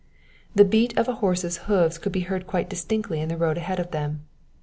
The beat of a horse's hoofs could be heard quite distinctly in the road ahead of them.